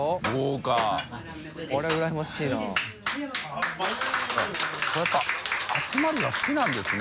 海やっぱ集まりが好きなんですね